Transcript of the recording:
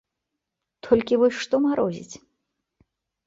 Толькі вось што марозіць?